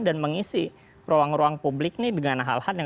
dan mengisi ruang ruang publik ini dengan hal hal yang lebih perbaikan